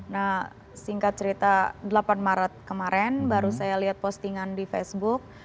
nah singkat cerita delapan maret kemarin baru saya lihat postingan di facebook